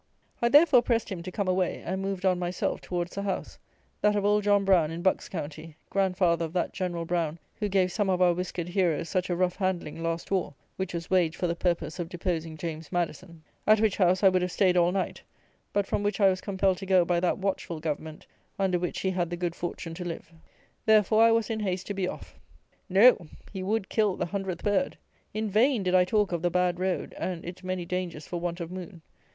I, therefore, pressed him to come away, and moved on myself towards the house (that of old John Brown, in Bucks county, grandfather of that General Brown, who gave some of our whiskered heroes such a rough handling last war, which was waged for the purpose of "deposing James Madison"), at which house I would have stayed all night, but from which I was compelled to go by that watchful government, under which he had the good fortune to live. Therefore I was in haste to be off. No: he would kill the hundredth bird! In vain did I talk of the bad road and its many dangers for want of moon.